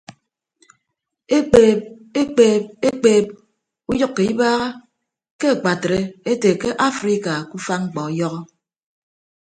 Ekpeeb ekpeeb ekpeeb uyʌkkọ ibaaha ke akpatre ete ke afrika ke ufa mkpọ ọyọhọ.